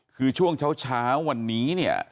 คือช่วงเช้าวันนี้เนี่ย